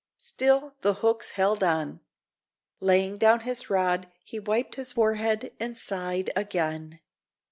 Still the hooks held on. Laying down his rod, he wiped his forehead and sighed again.